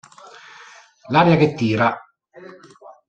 L'aria che tira